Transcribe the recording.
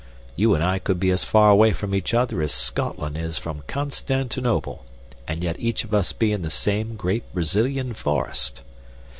You and I could be as far away from each other as Scotland is from Constantinople, and yet each of us be in the same great Brazilian forest.